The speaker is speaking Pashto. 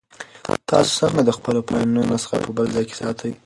تاسو څنګه د خپلو فایلونو نسخه په بل ځای کې ساتئ؟